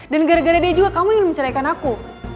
dan gara gara dia juga kamu ingin menceraikan aku